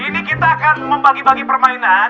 ini kita akan membagi bagi permainan